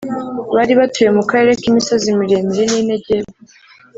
bari batuye mu karere k’imisozi miremire n’i Negebu